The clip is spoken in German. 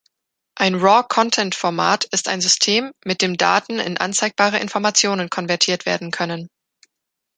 Ein Raw Content-Format ist ein System, mit dem Daten in anzeigbare Informationen konvertiert werden können.